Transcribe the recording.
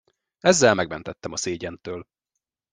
Ezzel megmentettem a szégyentől.